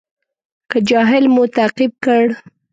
که جاهل مو تعقیب کړ.